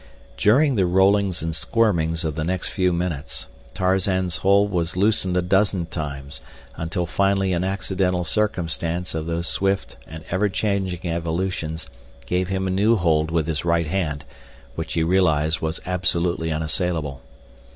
During the rollings and squirmings of the next few minutes, Tarzan's hold was loosened a dozen times until finally an accidental circumstance of those swift and everchanging evolutions gave him a new hold with his right hand, which he realized was absolutely unassailable.